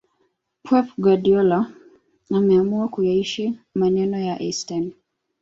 Pep Guadiola ameamua kuyaishi maneno ya Eistein